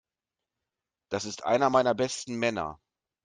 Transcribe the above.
Das ist einer meiner besten Männer.